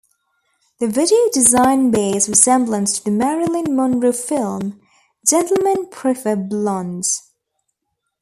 The video design bears resemblance to the Marilyn Monroe film "Gentlemen Prefer Blondes".